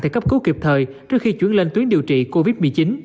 thì cấp cứu kịp thời trước khi chuyển lên tuyến điều trị covid một mươi chín